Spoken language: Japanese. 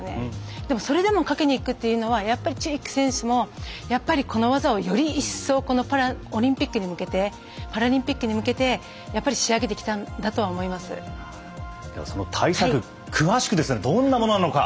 でもそれでもかけに行くというのはやっぱりチェリック選手もやっぱりこの技をより一層パラリンピックに向けてパラリンピックに向けてやっぱり仕上げてきたんだとはではその対策詳しく、どんなものなのか。